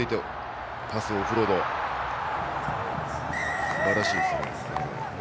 オフロードパスもすばらしいですね。